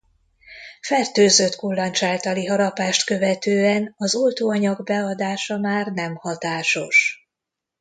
Fertőzött kullancs általi harapást követően az oltóanyag beadása már nem hatásos.